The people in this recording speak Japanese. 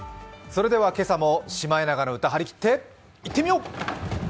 それでは今朝も「シマエナガの歌」張り切っていってみよう！